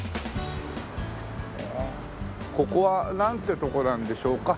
ここはなんてとこなんでしょうか？